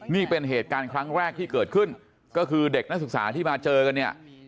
นี่เป็นเหตุการณ์ครั้งแรกที่เกิดขึ้นก็คือเด็กนักศึกษาที่มาเจอกันเนี่ย